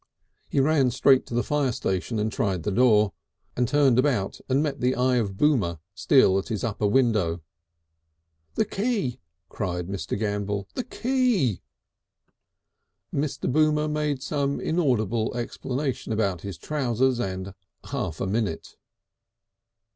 He ran straight to the fire station and tried the door, and turned about and met the eye of Boomer still at his upper window. "The key!" cried Mr. Gambell, "the key!" Mr. Boomer made some inaudible explanation about his trousers and half a minute.